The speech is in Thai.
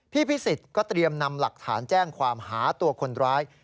พิสิทธิ์ก็เตรียมนำหลักฐานแจ้งความหาตัวคนร้าย